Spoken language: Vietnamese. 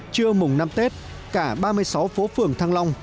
trưa mùng năm tết cả ba mươi sáu phố phường thăng long